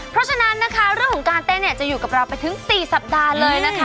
เพราะฉะนั้นนะคะเรื่องของการเต้นเนี่ยจะอยู่กับเราไปถึง๔สัปดาห์เลยนะคะ